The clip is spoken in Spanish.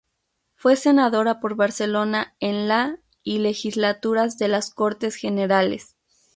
Fue senadora por Barcelona en la y legislaturas de las Cortes Generales.